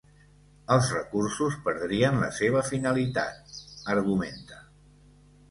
“Els recursos perdrien la seva finalitat”, argumenta.